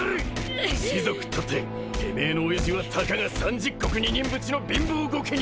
士族ったっててめえの親父はたかが三十石二人扶持の貧乏御家人。